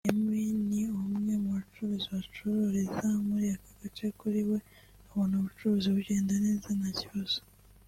Emmy ni umwe mu bacuruzi bacururiza muri aka gace kuri we abona ubucuruzi bugenda neza nta kibazo